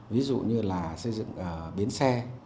ví dụ như là xây dựng biến xe